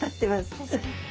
確かに。